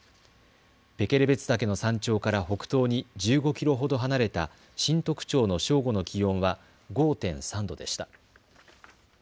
ペケレベツ岳の山頂から北東に１５キロほど離れた新得町の正午の気温は５．３度でした。